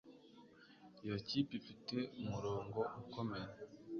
iyo kipe ifite umurongo ukomeye